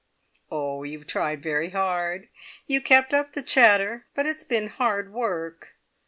Oh! you've tried very hard! you kept up the chatter, but it's been hard work.